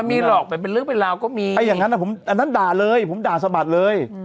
มันมีหลอกเป็นเรื่องเป็นราวก็มีอันนั้นด่าเลยผมด่าสะบัดเลย